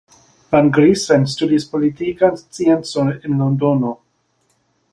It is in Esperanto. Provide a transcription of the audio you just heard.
Van Grinsven studis politikan sciencon en Londono.